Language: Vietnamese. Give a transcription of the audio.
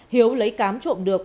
hiếu lấy cám trộn được